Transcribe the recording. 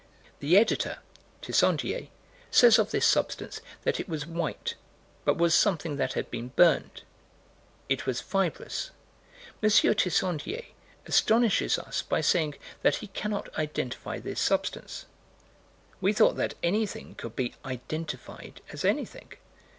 The Editor (Tissandier) says of this substance that it was white, but was something that had been burned. It was fibrous. M. Tissandier astonishes us by saying that he cannot identify this substance. We thought that anything could be "identified" as anything.